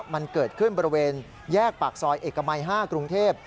มันเกิดขึ้นบริเวณแยกปากซอยเอกมัย๕กรุงเทพ